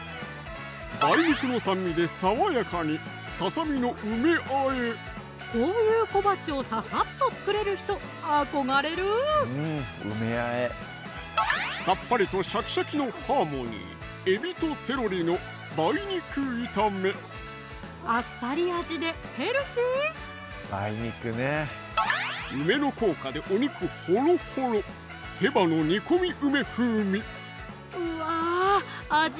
梅肉の酸味で爽やかにこういう小鉢をささっと作れる人憧れるさっぱりとシャキシャキのハーモニーあっさり味でヘルシー梅の効果でお肉ほろほろうわ味